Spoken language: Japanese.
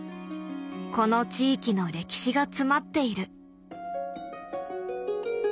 この地域の歴史が詰まっている。